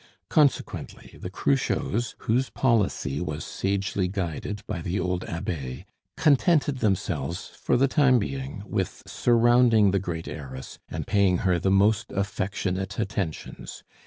Consequently the Cruchots, whose policy was sagely guided by the old abbe, contented themselves for the time being with surrounding the great heiress and paying her the most affectionate attentions.